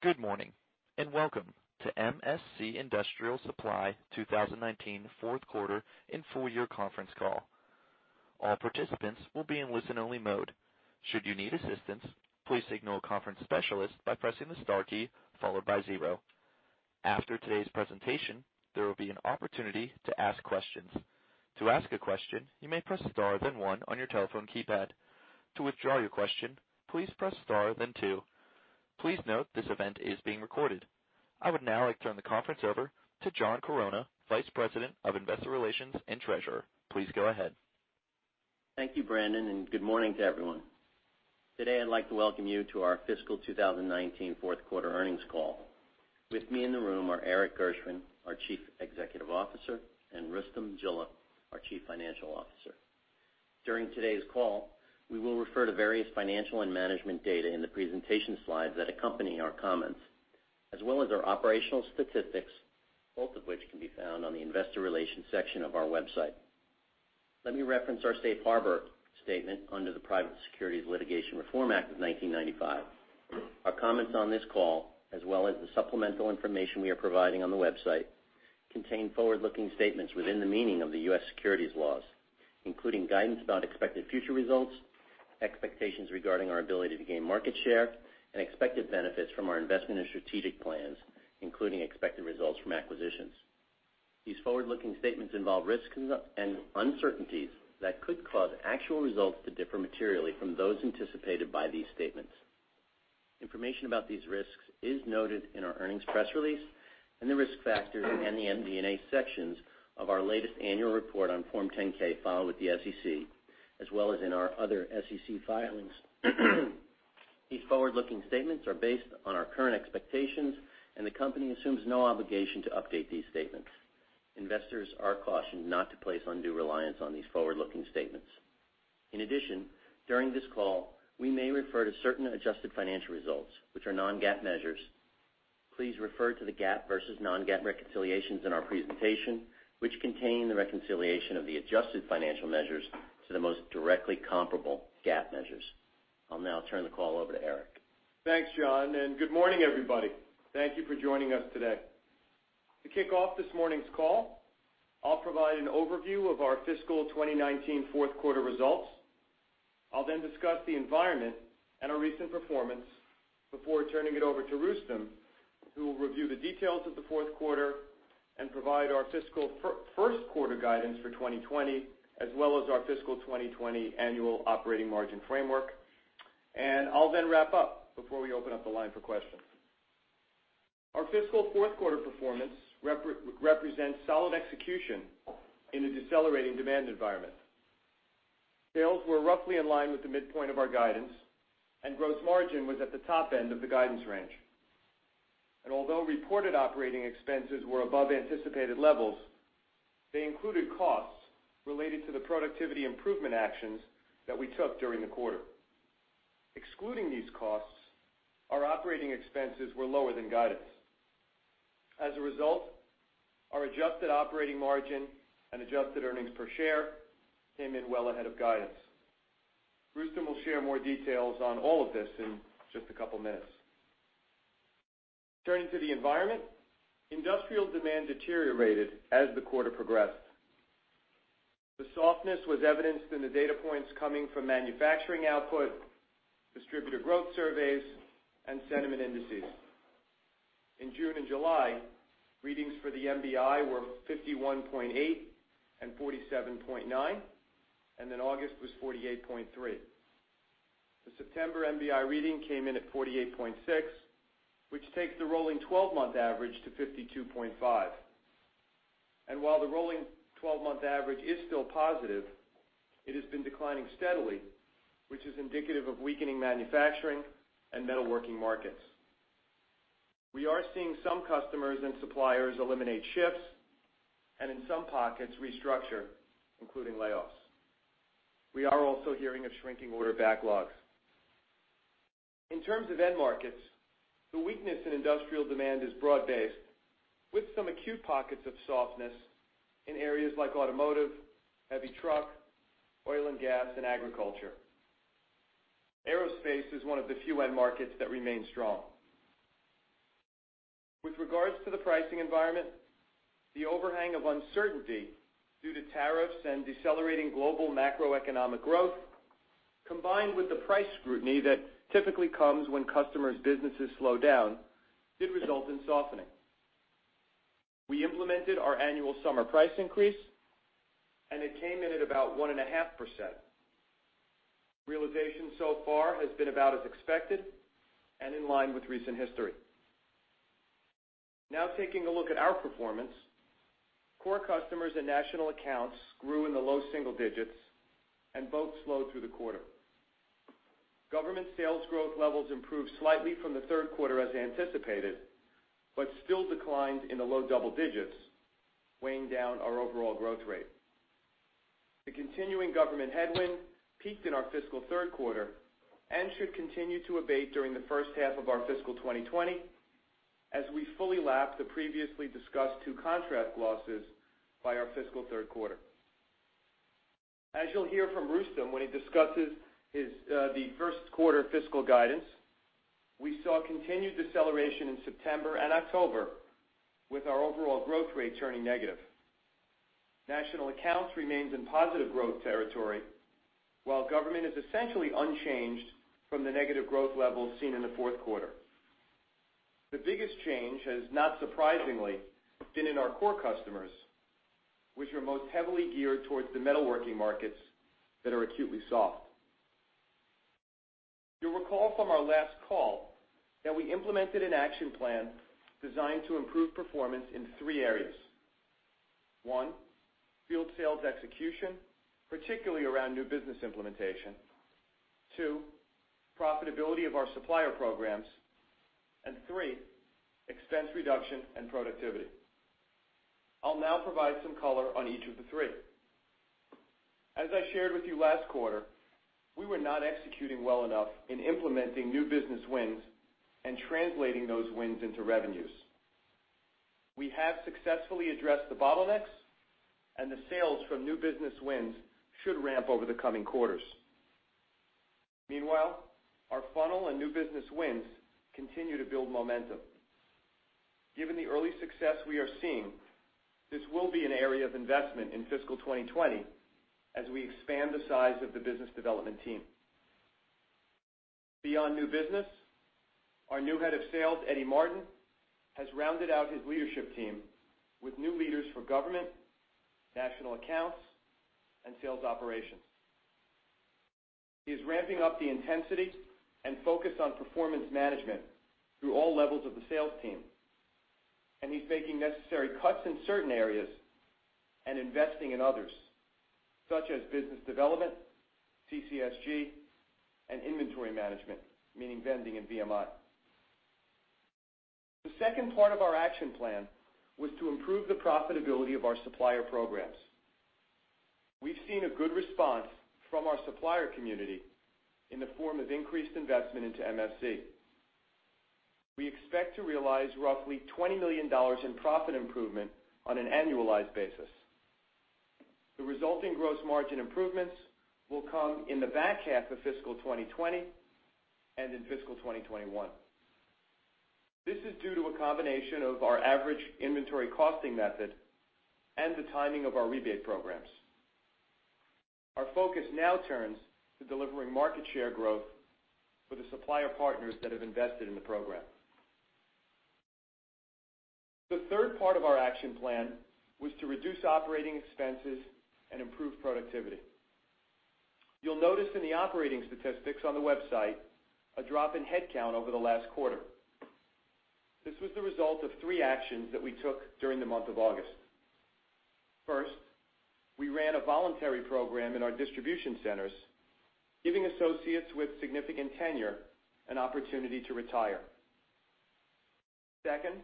Good morning, and welcome to MSC Industrial Direct 2019 fourth quarter and full year conference call. All participants will be in listen-only mode. Should you need assistance, please signal a conference specialist by pressing the star key followed by zero. After today's presentation, there will be an opportunity to ask questions. To ask a question, you may press star, then one on your telephone keypad. To withdraw your question, please press star, then two. Please note this event is being recorded. I would now like to turn the conference over to John Corona, Vice President of Investor Relations and Treasurer. Please go ahead. Thank you, Brandon. Good morning to everyone. Today I'd like to welcome you to our fiscal 2019 fourth quarter earnings call. With me in the room are Erik Gershwind, our Chief Executive Officer, and Rustom Jilla, our Chief Financial Officer. During today's call, we will refer to various financial and management data in the presentation slides that accompany our comments, as well as our operational statistics, both of which can be found on the Investor Relations section of our website. Let me reference our safe harbor statement under the Private Securities Litigation Reform Act of 1995. Our comments on this call, as well as the supplemental information we are providing on the website, contain forward-looking statements within the meaning of the U.S. securities laws, including guidance about expected future results, expectations regarding our ability to gain market share, and expected benefits from our investment and strategic plans, including expected results from acquisitions. These forward-looking statements involve risks and uncertainties that could cause actual results to differ materially from those anticipated by these statements. Information about these risks is noted in our earnings press release and the risk factors in the MD&A sections of our latest annual report on Form 10-K filed with the SEC, as well as in our other SEC filings. The company assumes no obligation to update these statements. Investors are cautioned not to place undue reliance on these forward-looking statements. In addition, during this call, we may refer to certain adjusted financial results, which are non-GAAP measures. Please refer to the GAAP versus non-GAAP reconciliations in our presentation, which contain the reconciliation of the adjusted financial measures to the most directly comparable GAAP measures. I'll now turn the call over to Erik. Thanks, John. Good morning, everybody. Thank you for joining us today. To kick off this morning's call, I'll provide an overview of our fiscal 2019 fourth-quarter results. I'll then discuss the environment and our recent performance before turning it over to Rustom, who will review the details of the fourth quarter and provide our fiscal first quarter guidance for 2020, as well as our fiscal 2020 annual operating margin framework. I'll then wrap up before we open up the line for questions. Our fiscal fourth-quarter performance represents solid execution in a decelerating demand environment. Sales were roughly in line with the midpoint of our guidance, and gross margin was at the top end of the guidance range. Although reported operating expenses were above anticipated levels, they included costs related to the productivity improvement actions that we took during the quarter. Excluding these costs, our operating expenses were lower than guidance. As a result, our adjusted operating margin and adjusted earnings per share came in well ahead of guidance. Rustom will share more details on all of this in just a couple of minutes. Turning to the environment, industrial demand deteriorated as the quarter progressed. The softness was evidenced in the data points coming from manufacturing output, distributor growth surveys, and sentiment indices. In June and July, readings for the MBI were 51.8 and 47.9, August was 48.3. The September MBI reading came in at 48.6, which takes the rolling 12-month average to 52.5. While the rolling 12-month average is still positive, it has been declining steadily, which is indicative of weakening manufacturing and metalworking markets. We are seeing some customers and suppliers eliminate shifts, and in some pockets, restructure, including layoffs. We are also hearing of shrinking order backlogs. In terms of end markets, the weakness in industrial demand is broad-based, with some acute pockets of softness in areas like automotive, heavy truck, oil and gas, and agriculture. Aerospace is one of the few end markets that remains strong. With regards to the pricing environment, the overhang of uncertainty due to tariffs and decelerating global macroeconomic growth, combined with the price scrutiny that typically comes when customers' businesses slow down, did result in softening. We implemented our annual summer price increase, and it came in at about 1.5%. Realization so far has been about as expected and in line with recent history. Now taking a look at our performance, core customers and national accounts grew in the low single digits and both slowed through the quarter. Government sales growth levels improved slightly from the third quarter as anticipated, still declined in the low double digits, weighing down our overall growth rate. The continuing government headwind peaked in our fiscal third quarter and should continue to abate during the first half of our fiscal 2020 as we fully lap the previously discussed two contract losses by our fiscal third quarter. As you'll hear from Rustom when he discusses the first quarter fiscal guidance, we saw continued deceleration in September and October with our overall growth rate turning negative. National accounts remains in positive growth territory, while government is essentially unchanged from the negative growth levels seen in the fourth quarter. The biggest change has, not surprisingly, been in our core customers, which are most heavily geared towards the metalworking markets that are acutely soft. You'll recall from our last call that we implemented an action plan designed to improve performance in three areas. One, field sales execution, particularly around new business implementation. Two, profitability of our supplier programs, and three, expense reduction and productivity. I'll now provide some color on each of the three. As I shared with you last quarter, we were not executing well enough in implementing new business wins and translating those wins into revenues. We have successfully addressed the bottlenecks, and the sales from new business wins should ramp over the coming quarters. Meanwhile, our funnel and new business wins continue to build momentum. Given the early success we are seeing, this will be an area of investment in fiscal 2020 as we expand the size of the business development team. Beyond new business, our new head of sales, Eddie Martin, has rounded out his leadership team with new leaders for government, national accounts, and sales operations. He is ramping up the intensity and focus on performance management through all levels of the sales team, and he's making necessary cuts in certain areas and investing in others, such as business development, CCSG, and inventory management, meaning vending and VMI. The second part of our action plan was to improve the profitability of our supplier programs. We've seen a good response from our supplier community in the form of increased investment into MSC. We expect to realize roughly $20 million in profit improvement on an annualized basis. The resulting gross margin improvements will come in the back half of fiscal 2020 and in fiscal 2021. This is due to a combination of our average inventory costing method and the timing of our rebate programs. Our focus now turns to delivering market share growth for the supplier partners that have invested in the program. The third part of our action plan was to reduce operating expenses and improve productivity. You'll notice in the operating statistics on the website a drop in headcount over the last quarter. This was the result of three actions that we took during the month of August. First, we ran a voluntary program in our distribution centers, giving associates with significant tenure an opportunity to retire. Second,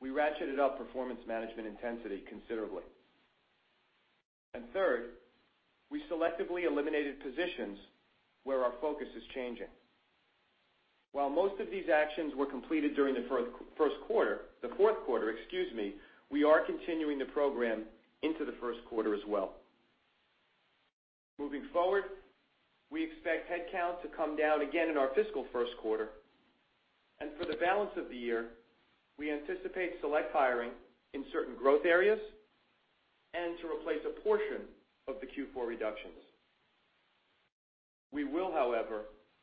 we ratcheted up performance management intensity considerably. Third, we selectively eliminated positions where our focus is changing. While most of these actions were completed during the fourth quarter, excuse me, we are continuing the program into the first quarter as well. Moving forward, we expect headcount to come down again in our fiscal first quarter, and for the balance of the year, we anticipate select hiring in certain growth areas and to replace a portion of the Q4 reductions. We will, however,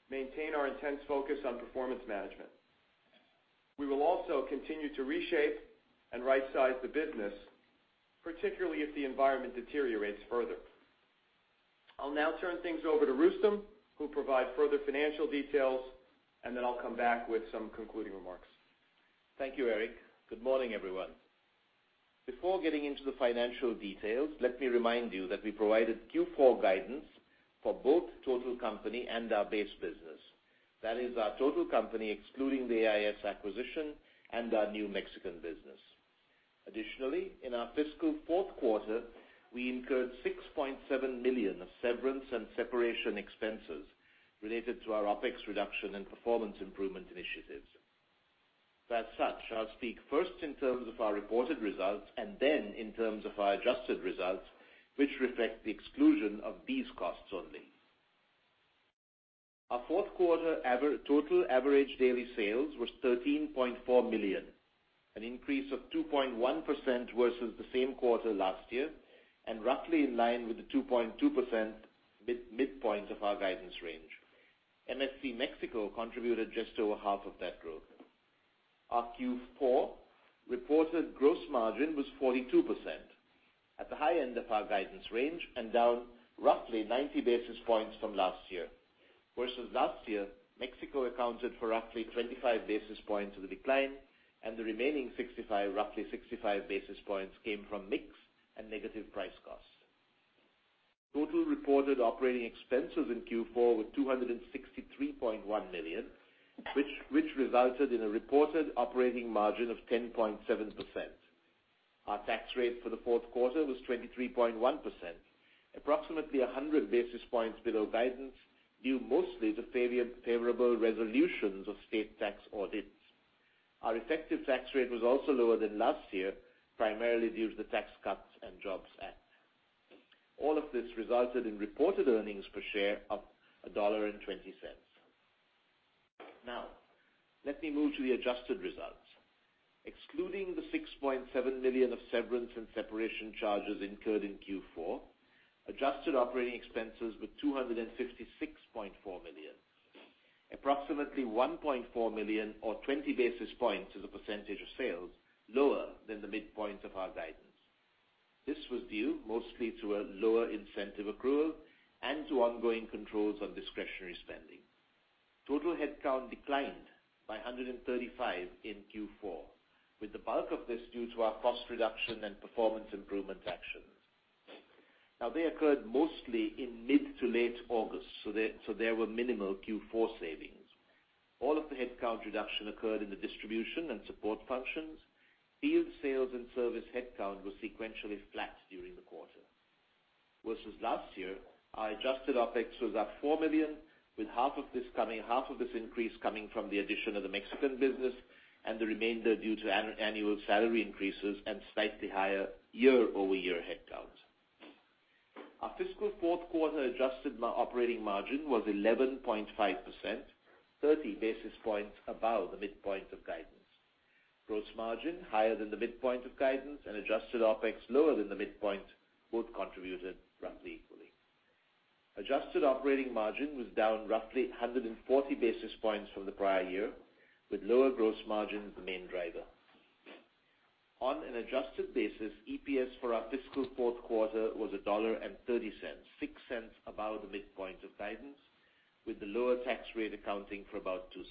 maintain our intense focus on performance management. We will also continue to reshape and rightsize the business, particularly if the environment deteriorates further. I'll now turn things over to Rustom, who'll provide further financial details, and then I'll come back with some concluding remarks. Thank you, Erik. Good morning, everyone. Before getting into the financial details, let me remind you that we provided Q4 guidance for both total company and our base business. That is our total company, excluding the AIS acquisition and our new Mexican business. Additionally, in our fiscal fourth quarter, we incurred $6.7 million of severance and separation expenses related to our OpEx reduction and performance improvement initiatives. I'll speak first in terms of our reported results and then in terms of our adjusted results, which reflect the exclusion of these costs only. Our fourth quarter total average daily sales was $13.4 million, an increase of 2.1% versus the same quarter last year and roughly in line with the 2.2% midpoint of our guidance range. MSC Mexico contributed just over half of that growth. Our Q4 reported gross margin was 42% at the high end of our guidance range and down roughly 90 basis points from last year. Versus last year, Mexico accounted for roughly 25 basis points of the decline, the remaining 65 basis points came from mix and negative price costs. Total reported operating expenses in Q4 were $263.1 million, which resulted in a reported operating margin of 10.7%. Our tax rate for the fourth quarter was 23.1%, approximately 100 basis points below guidance, due mostly to favorable resolutions of state tax audits. Our effective tax rate was also lower than last year, primarily due to the Tax Cuts and Jobs Act. All of this resulted in reported earnings per share of $1.20. Let me move to the adjusted results. Excluding the $6.7 million of severance and separation charges incurred in Q4, adjusted operating expenses were $256.4 million. Approximately $1.4 million, or 20 basis points as a percentage of sales, lower than the midpoint of our guidance. This was due mostly to a lower incentive accrual and to ongoing controls on discretionary spending. Total headcount declined by 135 in Q4, with the bulk of this due to our cost reduction and performance improvement actions. They occurred mostly in mid to late August, so there were minimal Q4 savings. All of the headcount reduction occurred in the distribution and support functions. Field sales and service headcount was sequentially flat during the quarter. Versus last year, our adjusted OpEx was up $4 million with half of this increase coming from the addition of the Mexican business and the remainder due to annual salary increases and slightly higher year-over-year headcount. Our fiscal fourth quarter adjusted operating margin was 11.5%, 30 basis points above the midpoint of guidance. Gross margin higher than the midpoint of guidance and adjusted OpEx lower than the midpoint both contributed roughly equally. Adjusted operating margin was down roughly 140 basis points from the prior year, with lower gross margin the main driver. On an adjusted basis, EPS for our fiscal fourth quarter was $1.30, $0.06 above the midpoint of guidance, with the lower tax rate accounting for about $0.02.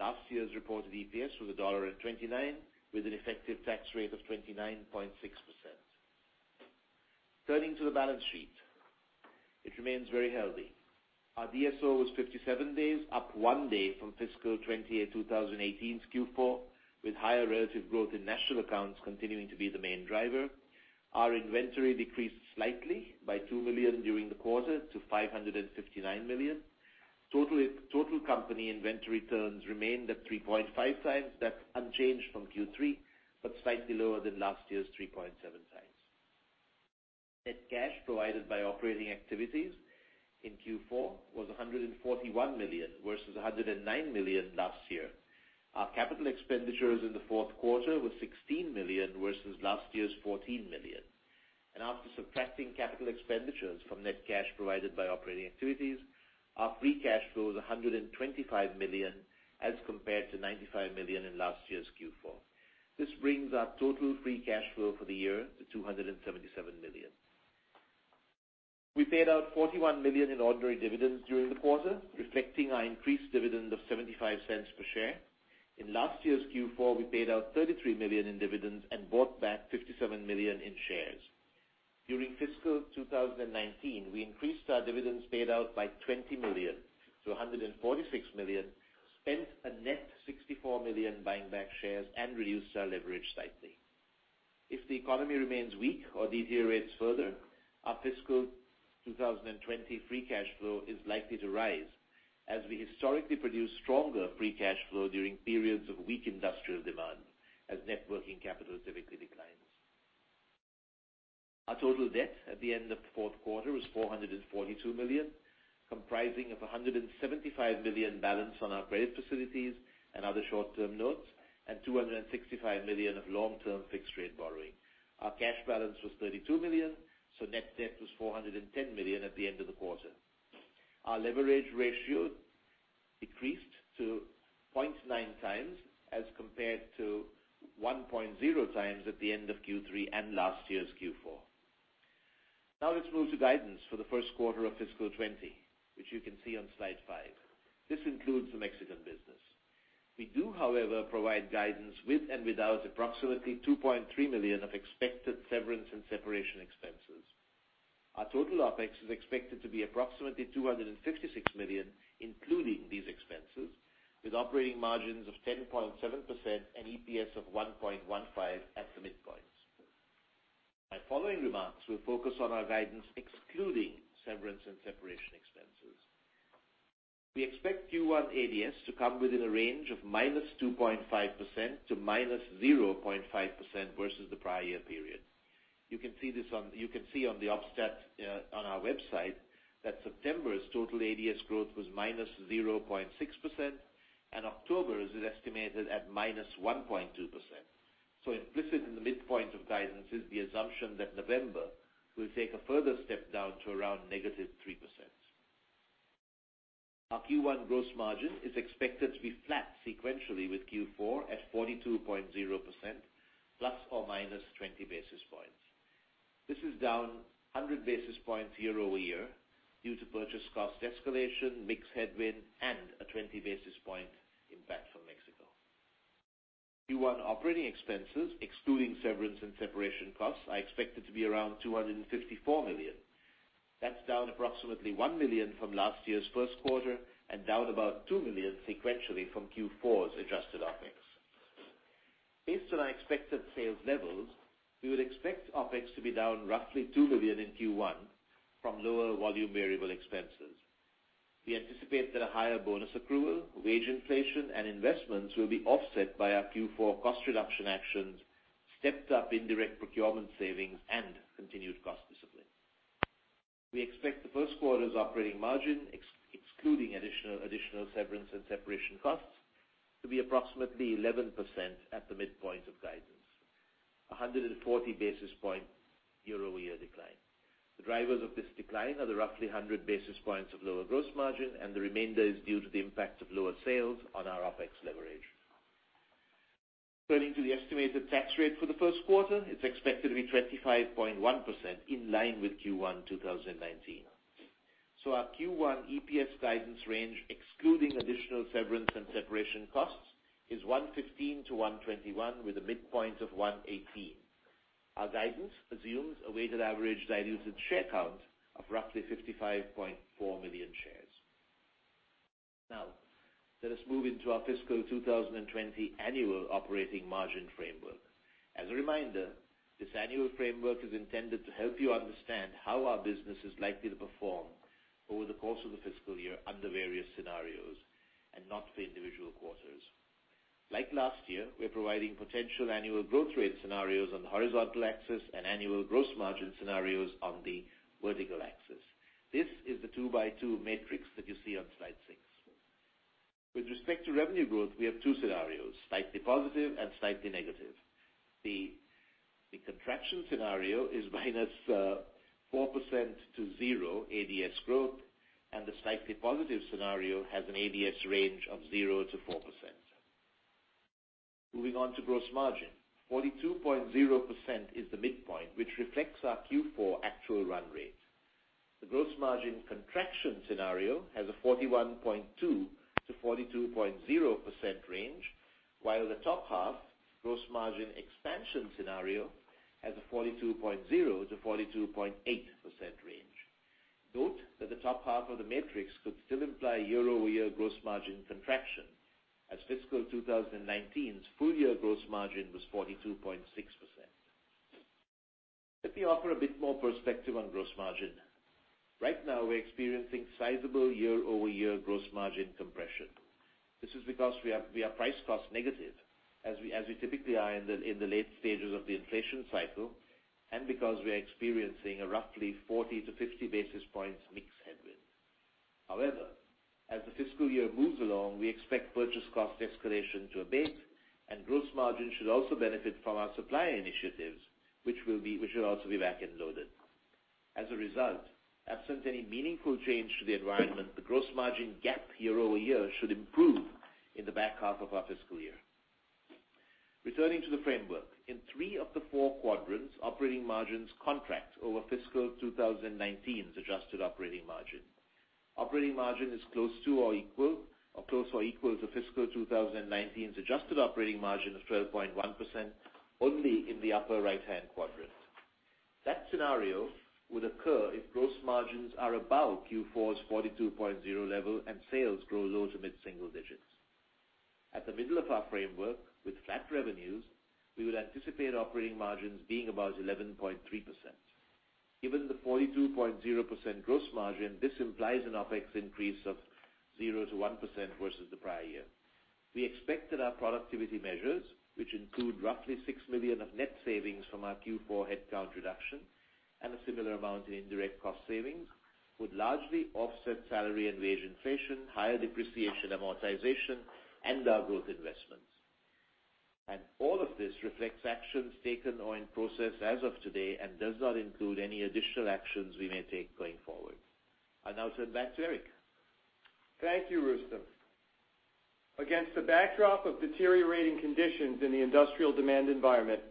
Last year's reported EPS was $1.29, with an effective tax rate of 29.6%. Turning to the balance sheet. It remains very healthy. Our DSO was 57 days, up one day from fiscal 2018's Q4, with higher relative growth in national accounts continuing to be the main driver. Our inventory decreased slightly by $2 million during the quarter to $559 million. Total company inventory turns remained at 3.5 times. That's unchanged from Q3, but slightly lower than last year's 3.7 times. Net cash provided by operating activities in Q4 was $141 million, versus $109 million last year. Our capital expenditures in the fourth quarter were $16 million versus last year's $14 million. After subtracting capital expenditures from net cash provided by operating activities, our free cash flow is $125 million, as compared to $95 million in last year's Q4. This brings our total free cash flow for the year to $277 million. We paid out $41 million in ordinary dividends during the quarter, reflecting our increased dividend of $0.75 per share. In last year's Q4, we paid out $33 million in dividends and bought back $57 million in shares. During fiscal 2019, we increased our dividends paid out by $20 million to $146 million, spent a net $64 million buying back shares, and reduced our leverage slightly. If the economy remains weak or deteriorates further, our fiscal 2020 free cash flow is likely to rise as we historically produce stronger free cash flow during periods of weak industrial demand, as net working capital typically declines. Our total debt at the end of the fourth quarter was $442 million, comprising of $175 million balance on our credit facilities and other short-term notes, and $265 million of long-term fixed-rate borrowing. Our cash balance was $32 million, net debt was $410 million at the end of the quarter. Our leverage ratio decreased to 0.9 times, as compared to 1.0 times at the end of Q3 and last year's Q4. Let's move to guidance for the first quarter of fiscal 2020, which you can see on slide five. This includes the Mexican business. We do, however, provide guidance with and without approximately $2.3 million of expected severance and separation expenses. Our total OpEx is expected to be approximately $256 million, including these expenses, with operating margins of 10.7% and EPS of 1.15 at the midpoints. My following remarks will focus on our guidance excluding severance and separation expenses. We expect Q1 ADS to come within a range of -2.5% to -0.5% versus the prior year period. You can see on the OpStat on our website that September's total ADS growth was -0.6%, and October's is estimated at -1.2%. Implicit in the midpoint of guidance is the assumption that November will take a further step down to around -3%. Our Q1 gross margin is expected to be flat sequentially with Q4 at 42.0% plus or minus 20 basis points. This is down 100 basis points year-over-year due to purchase cost escalation, mix headwind, and a 20 basis point impact from Mexico. Q1 operating expenses, excluding severance and separation costs, are expected to be around $254 million. That's down approximately $1 million from last year's first quarter and down about $2 million sequentially from Q4's adjusted OpEx. Based on our expected sales levels, we would expect OpEx to be down roughly $2 million in Q1 from lower volume variable expenses. We anticipate that a higher bonus accrual, wage inflation, and investments will be offset by our Q4 cost reduction actions, stepped-up indirect procurement savings, and continued cost discipline. We expect the first quarter's operating margin, excluding additional severance and separation costs, to be approximately 11% at the midpoint of guidance, 140 basis point year-over-year decline. The drivers of this decline are the roughly 100 basis points of lower gross margin, and the remainder is due to the impact of lower sales on our OpEx leverage. Turning to the estimated tax rate for the first quarter, it's expected to be 25.1%, in line with Q1 2019. Our Q1 EPS guidance range, excluding additional severance and separation costs, is $1.15-$1.21, with a midpoint of $1.18. Our guidance assumes a weighted average diluted share count of roughly 55.4 million shares. Now, let us move into our fiscal 2020 annual operating margin framework. As a reminder, this annual framework is intended to help you understand how our business is likely to perform over the course of the fiscal year under various scenarios, and not for individual quarters. Like last year, we're providing potential annual growth rate scenarios on the horizontal axis and annual gross margin scenarios on the vertical axis. This is the two-by-two matrix that you see on slide six. With respect to revenue growth, we have two scenarios, slightly positive and slightly negative. The contraction scenario is -4% to 0% ADS growth, and the slightly positive scenario has an ADS range of 0% to 4%. Moving on to gross margin. 42.0% is the midpoint, which reflects our Q4 actual run rate. The gross margin contraction scenario has a 41.2% to 42.0% range, while the top half gross margin expansion scenario has a 42.0% to 42.8% range. Note that the top half of the matrix could still imply year-over-year gross margin contraction, as fiscal 2019's full-year gross margin was 42.6%. Let me offer a bit more perspective on gross margin. Right now, we're experiencing sizable year-over-year gross margin compression. This is because we are price cost negative, as we typically are in the late stages of the inflation cycle, and because we are experiencing a roughly 40 to 50 basis points mix headwind. However, as the fiscal year moves along, we expect purchase cost escalation to abate, and gross margin should also benefit from our supplier initiatives, which should also be back-end loaded. As a result, absent any meaningful change to the environment, the gross margin gap year-over-year should improve in the back half of our fiscal year. Returning to the framework. In three of the four quadrants, operating margins contract over fiscal 2019's adjusted operating margin. Operating margin is close to or equal to fiscal 2019's adjusted operating margin of 12.1% only in the upper right-hand quadrant. That scenario would occur if gross margins are above Q4's 42.0% level and sales grow low to mid-single digits. At the middle of our framework, with flat revenues, we would anticipate operating margins being about 11.3%. Given the 42.0% gross margin, this implies an OpEx increase of 0% to 1% versus the prior year. We expect that our productivity measures, which include roughly $6 million of net savings from our Q4 headcount reduction and a similar amount in indirect cost savings, would largely offset salary and wage inflation, higher depreciation amortization, and our growth investments. All of this reflects actions taken or in process as of today and does not include any additional actions we may take going forward. I now turn back to Erik. Thank you, Rustom. Against the backdrop of deteriorating conditions in the industrial demand environment,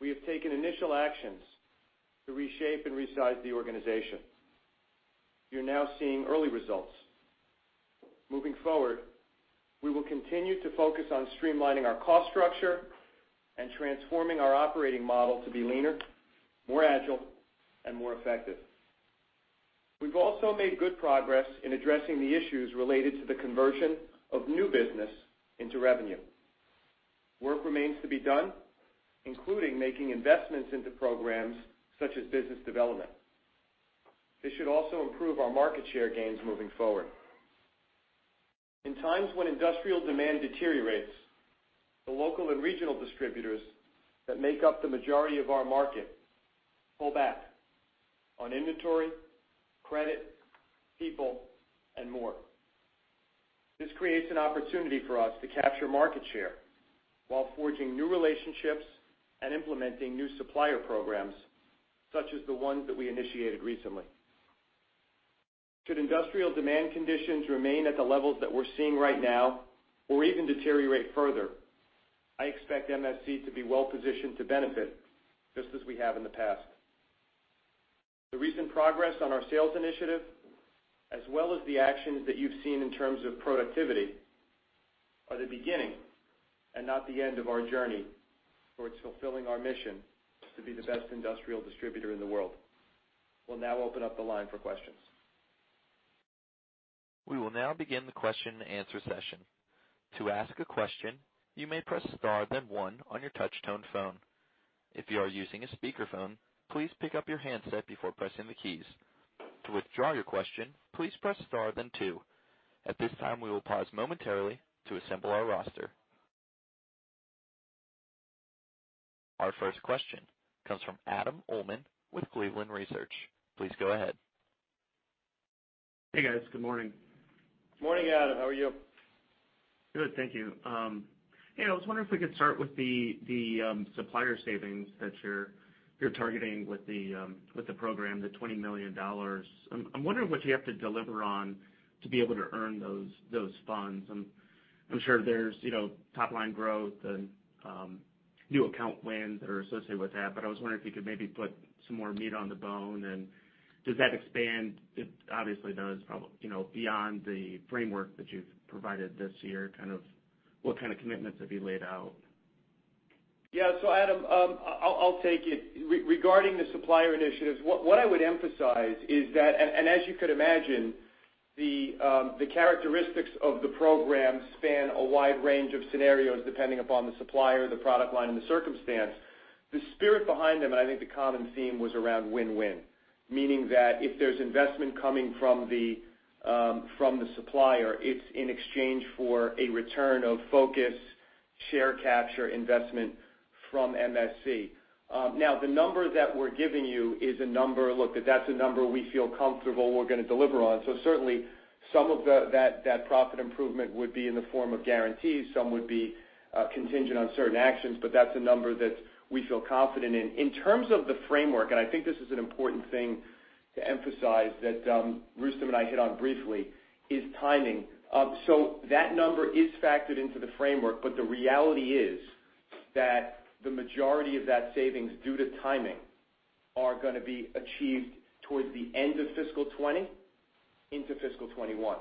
we have taken initial actions to reshape and resize the organization. You're now seeing early results. Moving forward, we will continue to focus on streamlining our cost structure and transforming our operating model to be leaner, more agile, and more effective. We've also made good progress in addressing the issues related to the conversion of new business into revenue. Work remains to be done, including making investments into programs such as business development. This should also improve our market share gains moving forward. In times when industrial demand deteriorates, the local and regional distributors that make up the majority of our market pull back on inventory, credit, people, and more. This creates an opportunity for us to capture market share while forging new relationships and implementing new supplier programs, such as the ones that we initiated recently. Should industrial demand conditions remain at the levels that we're seeing right now or even deteriorate further, I expect MSC to be well-positioned to benefit, just as we have in the past. The recent progress on our sales initiative, as well as the actions that you've seen in terms of productivity, are the beginning and not the end of our journey towards fulfilling our mission to be the best industrial distributor in the world. We'll now open up the line for questions. We will now begin the question and answer session. To ask a question, you may press star then one on your touchtone phone. If you are using a speakerphone, please pick up your handset before pressing the keys. To withdraw your question, please press star then two. At this time, we will pause momentarily to assemble our roster. Our first question comes from Adam Uhlman with Cleveland Research. Please go ahead. Hey, guys. Good morning. Morning, Adam. How are you? Good, thank you. I was wondering if we could start with the supplier savings that you're targeting with the program, the $20 million. I'm wondering what you have to deliver on to be able to earn those funds. I'm sure there's top-line growth and new account wins that are associated with that, but I was wondering if you could maybe put some more meat on the bone. Does that expand, it obviously does, beyond the framework that you've provided this year, what kind of commitments have you laid out? Yeah. Adam, I'll take it. Regarding the supplier initiatives, what I would emphasize is that, and as you could imagine, the characteristics of the program span a wide range of scenarios depending upon the supplier, the product line, and the circumstance. The spirit behind them, and I think the common theme, was around win-win, meaning that if there's investment coming from the supplier, it's in exchange for a return of focus, share capture investment from MSC. The number that we're giving you is a number, look, that's a number we feel comfortable we're going to deliver on. Certainly, some of that profit improvement would be in the form of guarantees. Some would be contingent on certain actions, that's a number that we feel confident in. In terms of the framework, and I think this is an important thing to emphasize, that Rustom and I hit on briefly, is timing. That number is factored into the framework, but the reality is that the majority of that savings due to timing are going to be achieved towards the end of fiscal 2020 into fiscal 2021.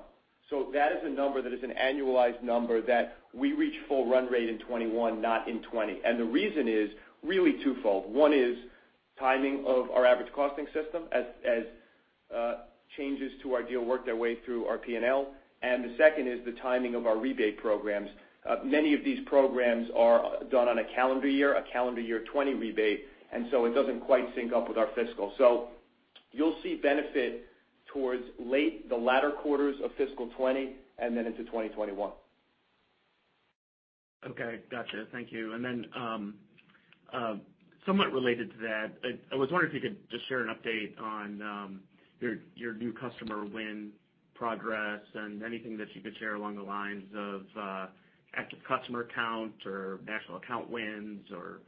That is a number that is an annualized number that we reach full run rate in 2021, not in 2020. The reason is really twofold. One is timing of our average costing system as changes to our deal work their way through our P&L, and the second is the timing of our rebate programs. Many of these programs are done on a calendar year, a calendar year 2020 rebate, it doesn't quite sync up with our fiscal. You'll see benefit towards late, the latter quarters of fiscal 2020, and then into 2021. Okay. Gotcha. Thank you. Somewhat related to that, I was wondering if you could just share an update on your new customer win progress and anything that you could share along the lines of active customer count or national account wins or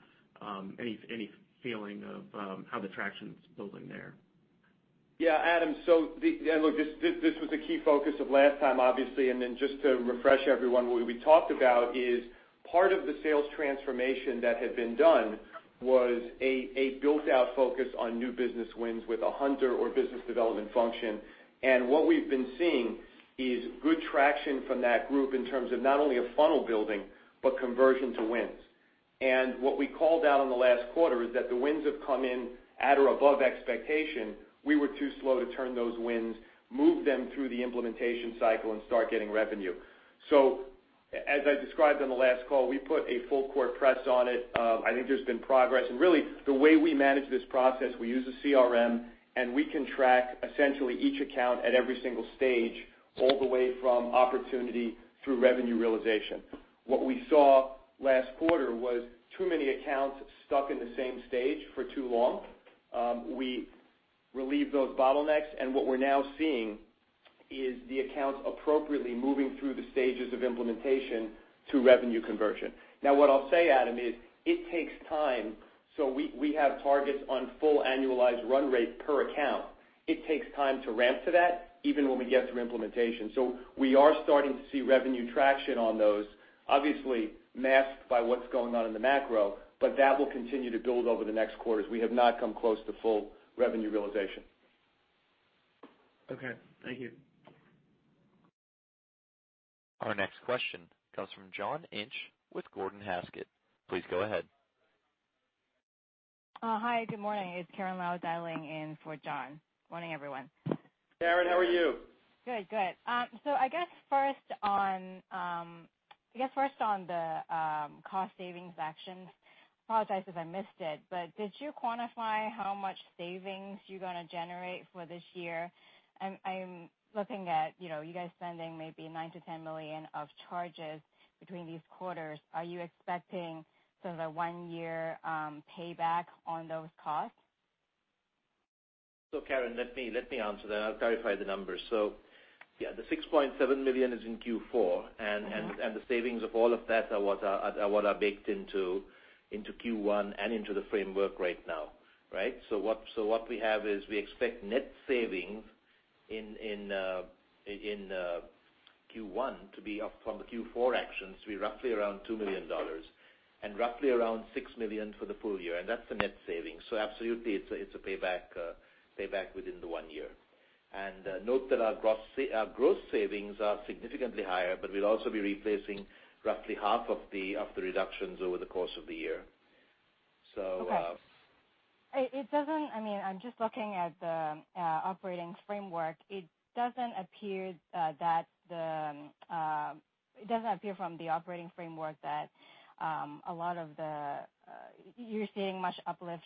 any feeling of how the traction's building there. Yeah, Adam. Look, this was the key focus of last time, obviously, and then just to refresh everyone, what we talked about is part of the sales transformation that had been done was a built-out focus on new business wins with a hunter or business development function. What we've been seeing is good traction from that group in terms of not only a funnel building, but conversion to wins. What we called out on the last quarter is that the wins have come in at or above expectation. We were too slow to turn those wins, move them through the implementation cycle and start getting revenue. As I described on the last call, we put a full-court press on it. I think there's been progress. Really, the way we manage this process, we use a CRM, and we can track essentially each account at every single stage all the way from opportunity through revenue realization. What we saw last quarter was too many accounts stuck in the same stage for too long. We relieved those bottlenecks, and what we're now seeing is the accounts appropriately moving through the stages of implementation to revenue conversion. Now, what I'll say, Adam, is it takes time. We have targets on full annualized run rate per account. It takes time to ramp to that, even when we get through implementation. We are starting to see revenue traction on those, obviously masked by what's going on in the macro, but that will continue to build over the next quarters. We have not come close to full revenue realization. Okay. Thank you. Our next question comes from John Inch with Gordon Haskett. Please go ahead. Hi, good morning. It's Karen Lau dialing in for John. Morning, everyone. Karen, how are you? Good. I guess first on the cost savings actions, apologize if I missed it, but did you quantify how much savings you're going to generate for this year? I'm looking at you guys spending maybe $9 million-$10 million of charges between these quarters. Are you expecting sort of a one-year payback on those costs? Karen, let me answer that. I'll clarify the numbers. Yeah, the $6.7 million is in Q4, and the savings of all of that are what are baked into Q1 and into the framework right now. Right? What we have is we expect net savings in Q1 to be up from the Q4 actions to be roughly around $2 million, and roughly around $6 million for the full year. That's the net savings. Absolutely, it's a payback within the one year. Note that our gross savings are significantly higher, but we'll also be replacing roughly half of the reductions over the course of the year. Okay. I'm just looking at the operating framework. It doesn't appear from the operating framework that you're seeing much uplift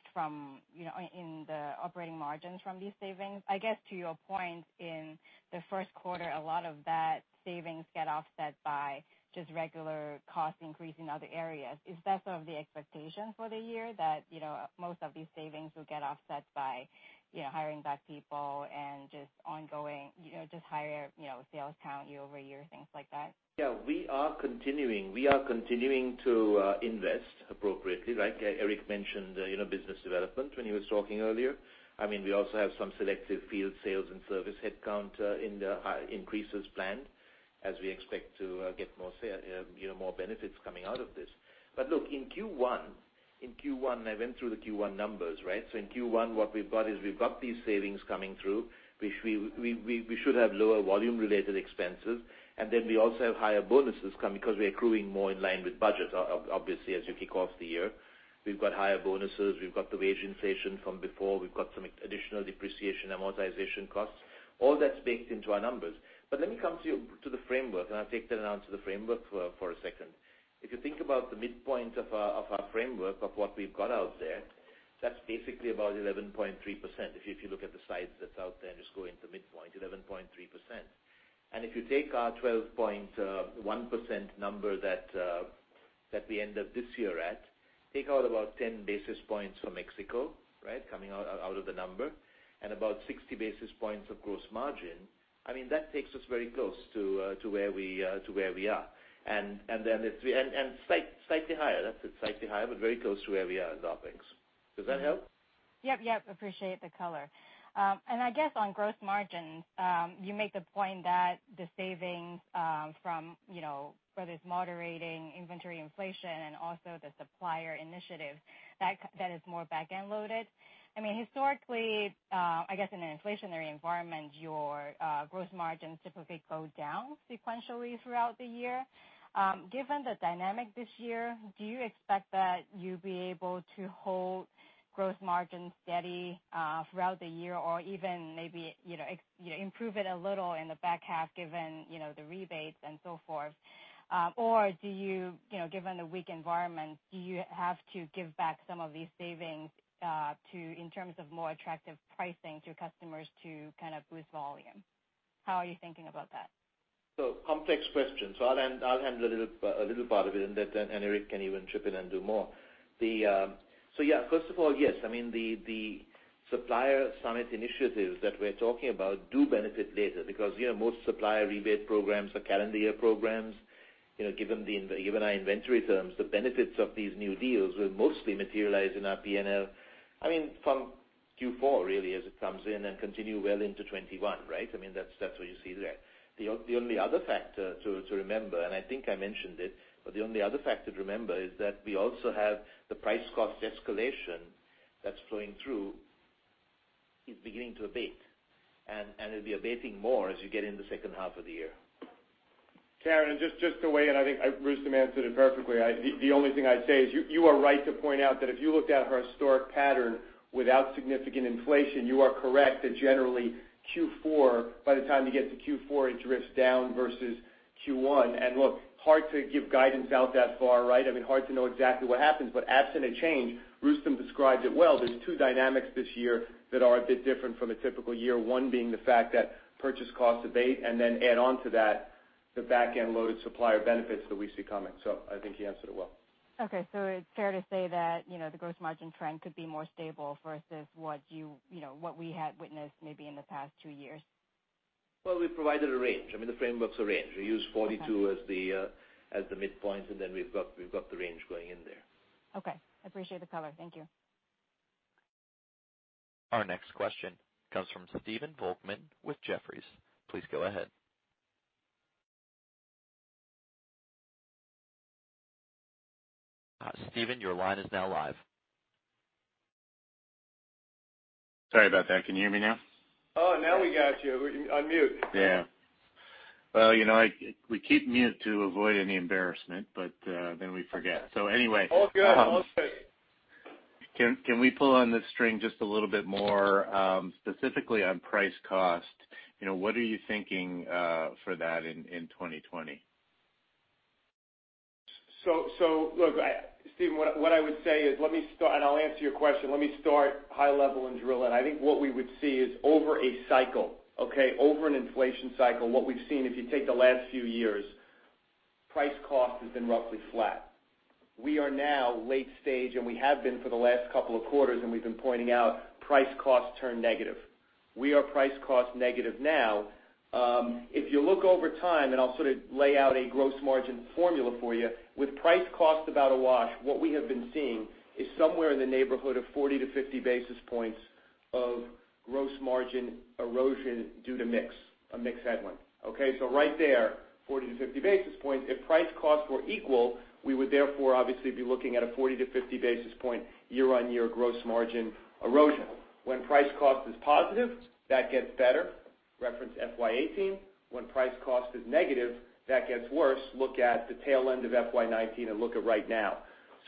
in the operating margins from these savings. I guess to your point, in the first quarter, a lot of that savings get offset by just regular cost increase in other areas. Is that sort of the expectation for the year that most of these savings will get offset by hiring back people and just higher sales count year-over-year, things like that? Yeah, we are continuing to invest appropriately. Erik mentioned business development when he was talking earlier. We also have some selective field sales and service headcount increases planned as we expect to get more benefits coming out of this. Look, in Q1, I went through the Q1 numbers. In Q1, what we've got is we've got these savings coming through, which we should have lower volume-related expenses. Then we also have higher bonuses coming because we are accruing more in line with budget, obviously, as you kick off the year. We've got higher bonuses. We've got the wage inflation from before. We've got some additional depreciation amortization costs. All that's baked into our numbers. Let me come to the framework, and I'll take that around to the framework for a second. If you think about the midpoint of our framework of what we've got out there, that's basically about 11.3%. If you look at the size that's out there and just go into midpoint, 11.3%. If you take our 12.1% number that we end up this year at, take out about 10 basis points for Mexico, coming out of the number, and about 60 basis points of gross margin. That takes us very close to where we are. Slightly higher. That's it, slightly higher, but very close to where we are in the offerings. Does that help? Yep. Appreciate the color. I guess on gross margins, you make the point that the savings from whether it's moderating inventory inflation and also the supplier initiative, that is more back-end loaded. Historically, I guess in an inflationary environment, your gross margins typically go down sequentially throughout the year. Given the dynamic this year, do you expect that you'll be able to hold gross margin steady throughout the year or even maybe improve it a little in the back half given the rebates and so forth? Given the weak environment, do you have to give back some of these savings in terms of more attractive pricing to your customers to kind of boost volume? How are you thinking about that? Complex question. I'll handle a little part of it, and Erik can even chip in and do more. First of all, yes, the supplier summit initiatives that we're talking about do benefit later because most supplier rebate programs are calendar year programs. Given our inventory terms, the benefits of these new deals will mostly materialize in our P&L from Q4, really, as it comes in and continue well into 2021, right? That's what you see there. The only other factor to remember, and I think I mentioned it, but the only other factor to remember is that we also have the price cost escalation that's flowing through is beginning to abate, and it'll be abating more as you get in the second half of the year. Karen, just to weigh in, I think Rustom answered it perfectly. The only thing I'd say is you are right to point out that if you looked at our historic pattern without significant inflation, you are correct that generally Q4, by the time you get to Q4, it drifts down versus Q1. Look, hard to give guidance out that far, right? Hard to know exactly what happens, but absent a change, Rustom describes it well. There's two dynamics this year that are a bit different from a typical year. One being the fact that purchase costs abate, and then add onto that the back-end loaded supplier benefits that we see coming. I think he answered it well. Okay. It's fair to say that the gross margin trend could be more stable versus what we had witnessed maybe in the past two years. Well, we provided a range. The framework's a range. We use 42 as the midpoint, and then we've got the range going in there. Okay. Appreciate the color. Thank you. Our next question comes from Stephen Volkmann with Jefferies. Please go ahead. Stephen, your line is now live. Sorry about that. Can you hear me now? Oh, now we got you. We're on mute. Yeah. Well, we keep mute to avoid any embarrassment. We forget. All good. All good. Can we pull on this string just a little bit more, specifically on price cost? What are you thinking for that in 2020? Look, Stephen, what I would say is, I'll answer your question, let me start high level and drill in. What we would see is over a cycle, over an inflation cycle, what we've seen, if you take the last few years, price cost has been roughly flat. We are now late stage, we have been for the last couple of quarters, we've been pointing out price cost turned negative. We are price cost negative now. If you look over time, I'll sort of lay out a gross margin formula for you, with price cost about a wash, what we have been seeing is somewhere in the neighborhood of 40-50 basis points of gross margin erosion due to mix, a mix headwind. Okay? Right there, 40-50 basis points. If price costs were equal, we would therefore obviously be looking at a 40-50 basis point year-on-year gross margin erosion. When price cost is positive, that gets better. Reference FY 2018. When price cost is negative, that gets worse. Look at the tail end of FY 2019 and look at right now.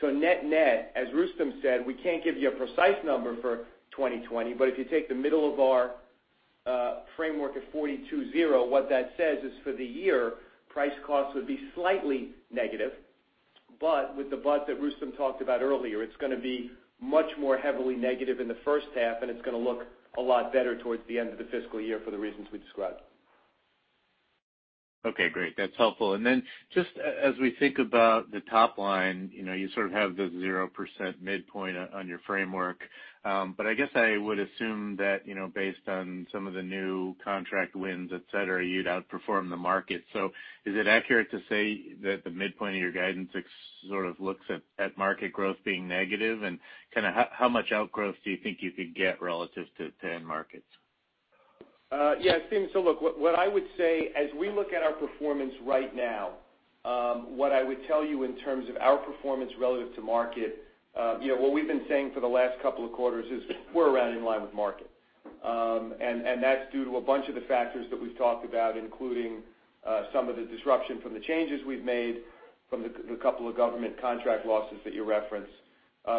Net-net, as Rustom said, we can't give you a precise number for 2020, but if you take the middle of our framework of 42.0, what that says is for the year, price cost would be slightly negative, but with the but that Rustom talked about earlier, it's going to be much more heavily negative in the first half, and it's going to look a lot better towards the end of the fiscal year for the reasons we described. Okay, great. That's helpful. Then just as we think about the top line, you sort of have the 0% midpoint on your framework. I guess I would assume that based on some of the new contract wins, et cetera, you'd outperform the market. Is it accurate to say that the midpoint of your guidance sort of looks at market growth being negative? Kind of how much outgrowth do you think you could get relative to end markets? Steve, look, what I would say as we look at our performance right now, what I would tell you in terms of our performance relative to market, what we've been saying for the last couple of quarters is we're right in line with market. That's due to a bunch of the factors that we've talked about, including some of the disruption from the changes we've made from the couple of government contract losses that you referenced,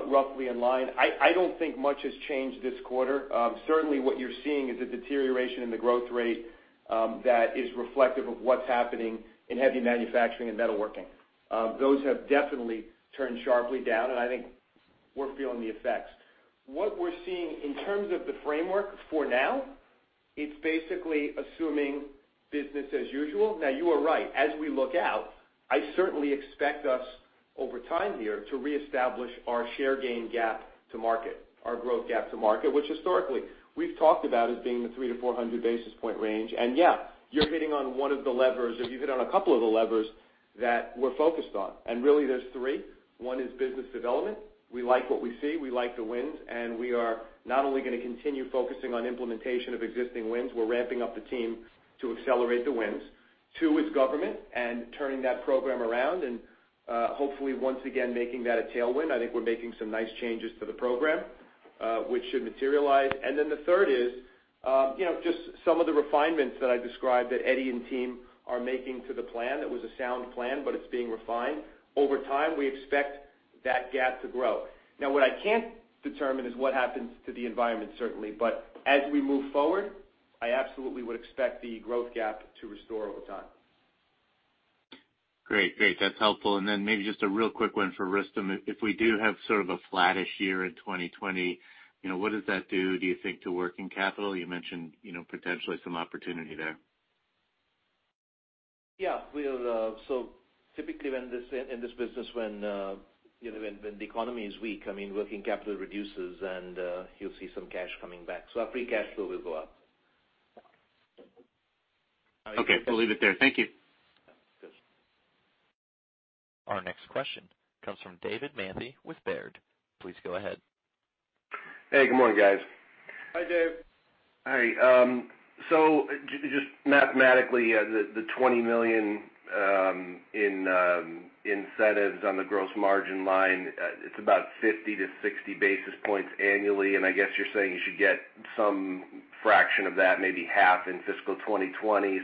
roughly in line. I don't think much has changed this quarter. Certainly what you're seeing is a deterioration in the growth rate that is reflective of what's happening in heavy manufacturing and metalworking. Those have definitely turned sharply down, I think we're feeling the effects. What we're seeing in terms of the framework for now, it's basically assuming business as usual. You are right. Yeah, you're hitting on one of the levers, or you hit on a couple of the levers that we're focused on. Really there's three. One is business development. We like what we see. We like the wins, and we are not only going to continue focusing on implementation of existing wins, we're ramping up the team to accelerate the wins. Two is government and turning that program around and hopefully once again, making that a tailwind. I think we're making some nice changes to the program, which should materialize. Then the third is just some of the refinements that I described that Eddie and team are making to the plan. That was a sound plan, but it's being refined. Over time, we expect that gap to grow. Now, what I can't determine is what happens to the environment, certainly. As we move forward, I absolutely would expect the growth gap to restore over time. Great. That's helpful. Maybe just a real quick one for Rustom. If we do have sort of a flattish year in 2020, what does that do you think, to working capital? You mentioned potentially some opportunity there. Yeah. Typically in this business when the economy is weak, working capital reduces, and you'll see some cash coming back. Our free cash flow will go up. Okay. We'll leave it there. Thank you. Good. Our next question comes from David Manthey with Baird. Please go ahead. Hey, good morning, guys. Hi, Dave. Hi. Just mathematically, the $20 million in incentives on the gross margin line, it's about 50 to 60 basis points annually, I guess you're saying you should get some fraction of that, maybe half in fiscal 2020.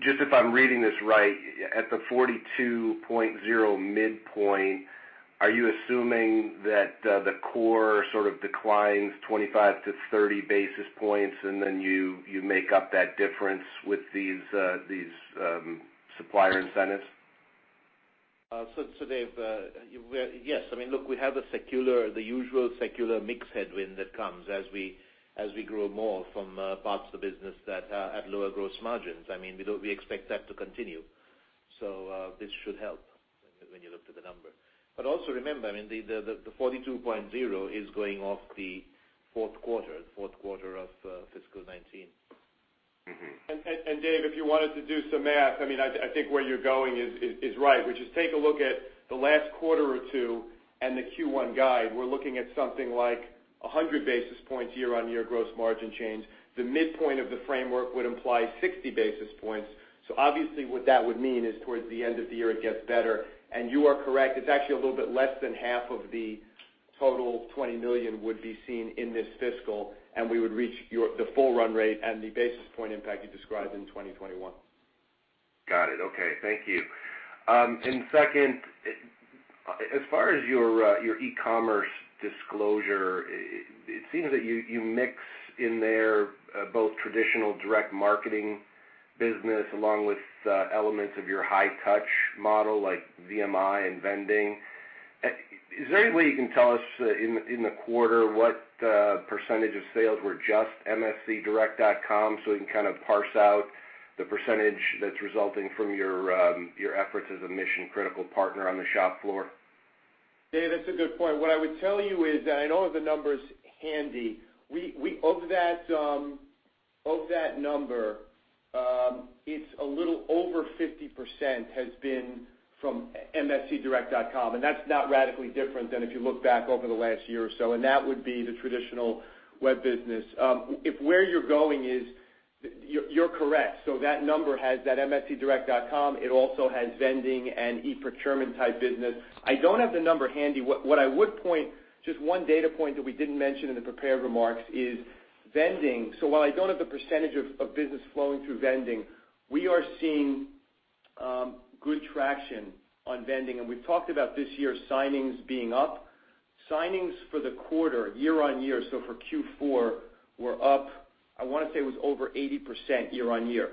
Just if I'm reading this right, at the 42.0 midpoint, are you assuming that the core sort of declines 25 to 30 basis points, and then you make up that difference with these supplier incentives? Dave, yes. Look, we have the usual secular mix headwind that comes as we grow more from parts of the business that have lower gross margins. We expect that to continue. This should help when you look to the number. Also remember, the 42.0% is going off the fourth quarter of fiscal 2019. Dave, if you wanted to do some math, I think where you're going is right, which is take a look at the last quarter or two and the Q1 guide. We're looking at something like 100 basis points year-on-year gross margin change. The midpoint of the framework would imply 60 basis points. Obviously what that would mean is towards the end of the year, it gets better. You are correct, it's actually a little bit less than half of the total $20 million would be seen in this fiscal, and we would reach the full run rate and the basis point impact you described in 2021. Got it. Okay. Thank you. Second, as far as your e-commerce disclosure, it seems that you mix in there both traditional direct marketing business along with elements of your high touch model like VMI and vending. Is there any way you can tell us in the quarter what % of sales were just mscdirect.com, so we can kind of parse out the % that's resulting from your efforts as a mission-critical partner on the shop floor? Dave, that's a good point. What I would tell you is, and I don't have the numbers handy, of that number, it's a little over 50% has been from mscdirect.com, and that's not radically different than if you look back over the last year or so, and that would be the traditional web business. You're correct. That number has that mscdirect.com, it also has vending and e-procurement type business. I don't have the number handy. What I would point, just one data point that we didn't mention in the prepared remarks is vending. While I don't have the percentage of business flowing through vending, we are seeing good traction on vending. We've talked about this year signings being up. Signings for the quarter year-over-year, so for Q4, were up, I want to say it was over 80% year-over-year.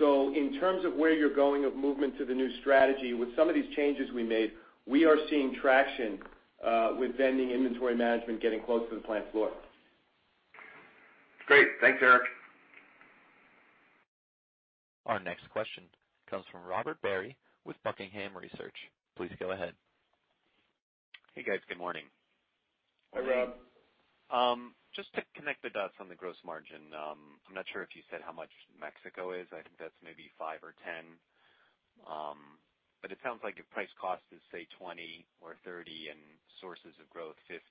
In terms of where you're going of movement to the new strategy, with some of these changes we made, we are seeing traction, with vending inventory management getting close to the plant floor. Great. Thanks, Erik. Our next question comes from Robert Barry with Buckingham Research. Please go ahead. Hey, guys. Good morning. Hi, Rob. Just to connect the dots on the gross margin, I'm not sure if you said how much Mexico is. I think that's maybe five or 10. It sounds like if price cost is, say, 20 or 30 and sources of growth 50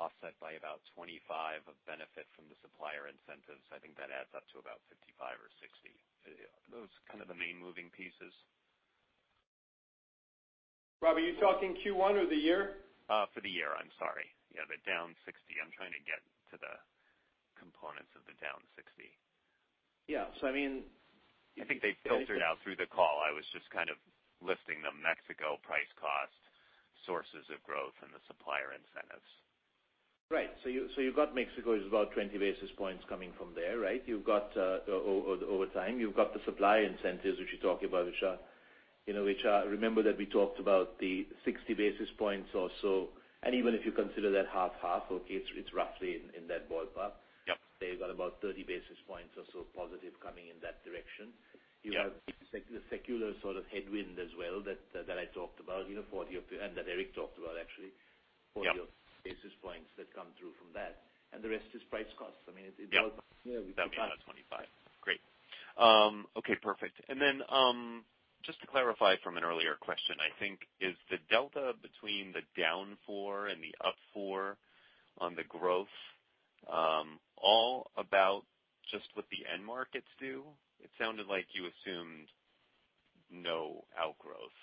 offset by about 25 of benefit from the supplier incentives, I think that adds up to about 55 or 60. Are those kind of the main moving pieces? Rob, are you talking Q1 or the year? For the year, I'm sorry. Yeah, the down 60. I'm trying to get to the components of the down 60. Yeah. I mean. I think they filtered out through the call. I was just kind of listing them, Mexico price cost, sources of growth, and the supplier incentives. Right. You've got Mexico is about 20 basis points coming from there, right? You've got the overtime, you've got the supplier incentives, which you're talking about, which remember that we talked about the 60 basis points or so. Even if you consider that 50/50, okay, it's roughly in that ballpark. Yep. Say you've got about 30 basis points or so positive coming in that direction. Yeah. You have the secular sort of headwind as well that I talked about, and that Erik talked about actually. Yeah 40 basis points that come through from that, and the rest is price costs. I mean. Yeah. That'll be about 25. Great. Okay, perfect. Then, just to clarify from an earlier question, I think, is the delta between the down four and the up four on the growth, all about just what the end markets do? It sounded like you assumed no outgrowth.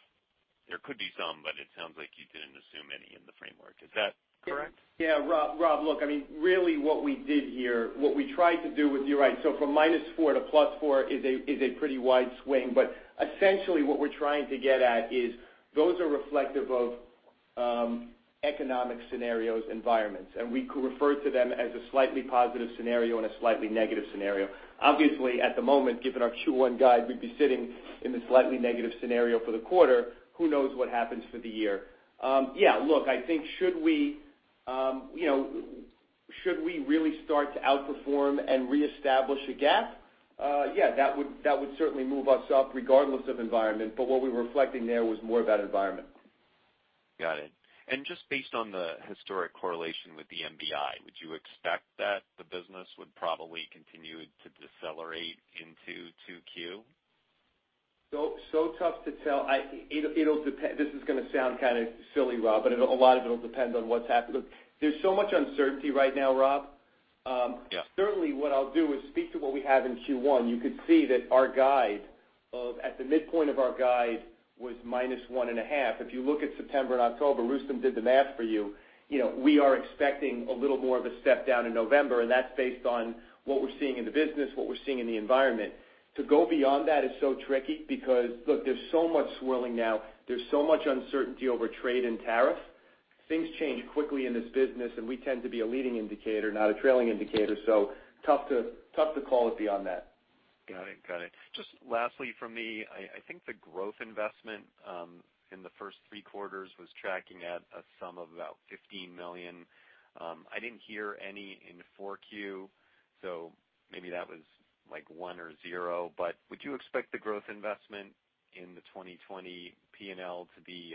There could be some, but it sounds like you didn't assume any in the framework. Is that correct? Yeah, Robert. Look, you're right. From -4 to +4 is a pretty wide swing, essentially what we're trying to get at is those are reflective of economic scenarios, environments, and we refer to them as a slightly positive scenario and a slightly negative scenario. Obviously, at the moment, given our Q1 guide, we'd be sitting in the slightly negative scenario for the quarter. Who knows what happens for the year? Look, I think, should we really start to outperform and reestablish a gap? That would certainly move us up regardless of environment, what we were reflecting there was more about environment. Got it. Just based on the historic correlation with the MBI, would you expect that the business would probably continue to decelerate into 2Q? Tough to tell. This is going to sound kind of silly, Rob, but a lot of it'll depend on what's happening. There's so much uncertainty right now, Rob. Yeah. Certainly, what I'll do is speak to what we have in Q1. You could see that our guide, at the midpoint of our guide was -1.5%. If you look at September and October, Rustom did the math for you. We are expecting a little more of a step down in November, and that's based on what we're seeing in the business, what we're seeing in the environment. To go beyond that is so tricky because, look, there's so much swirling now. There's so much uncertainty over trade and tariff. Things change quickly in this business, and we tend to be a leading indicator, not a trailing indicator. Tough to call it beyond that. Got it. Just lastly from me, I think the growth investment, in the first three quarters was tracking at a sum of about $15 million. I didn't hear any in 4Q, so maybe that was one or zero, but would you expect the growth investment in the 2020 P&L to be,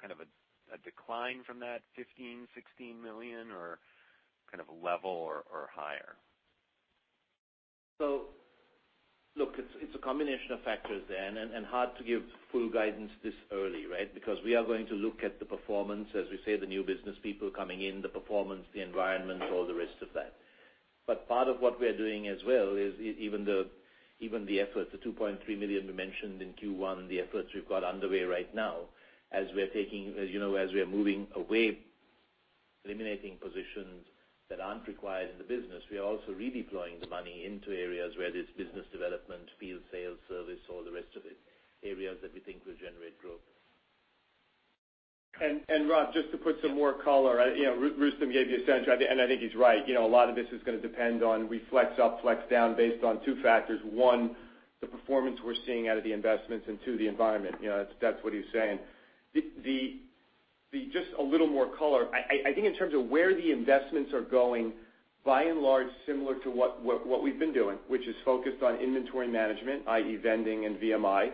kind of a decline from that $15 million-$16 million or kind of a level or higher? Look, it's a combination of factors, and hard to give full guidance this early, right? We are going to look at the performance, as we say, the new business people coming in, the performance, the environment, all the rest of that. Part of what we're doing as well is even the effort, the $2.3 million we mentioned in Q1, the efforts we've got underway right now, as we are moving away, eliminating positions that aren't required in the business. We are also redeploying the money into areas where there's business development, field sales, service, all the rest of it, areas that we think will generate growth. Rob, just to put some more color, Rustom gave you a sense, and I think he's right. A lot of this is going to depend on we flex up, flex down based on two factors: one, the performance we're seeing out of the investments, and two, the environment. That's what he's saying. Just a little more color, I think in terms of where the investments are going, by and large, similar to what we've been doing, which is focused on inventory management, i.e., vending and VMI.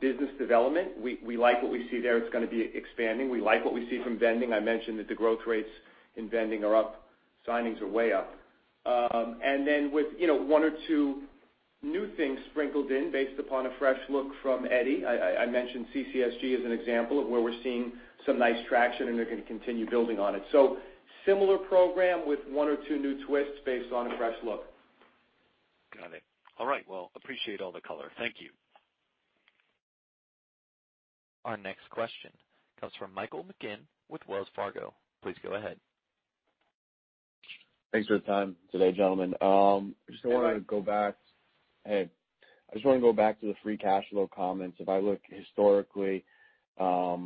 Business development, we like what we see there. It's going to be expanding. We like what we see from vending. I mentioned that the growth rates in vending are up, signings are way up. Then with one or two new things sprinkled in based upon a fresh look from Eddie. I mentioned CCSG as an example of where we're seeing some nice traction. They're going to continue building on it. Similar program with one or two new twists based on a fresh look. Got it. All right, well, appreciate all the color. Thank you. Our next question comes from Michael McGinn with Wells Fargo. Please go ahead. Thanks for the time today, gentlemen. Sure. I just want to go back to the free cash flow comments. If I look historically, your